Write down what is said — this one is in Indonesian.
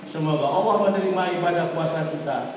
semoga allah menerima ibadah puasa kita